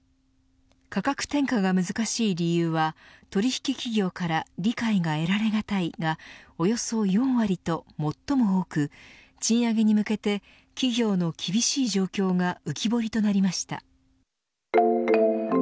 価格転嫁が難しい理由は取引企業から理解が得られがたいがおよそ４割と最も多く賃上げに向けて企業の厳しい状況が浮き彫りとなりました。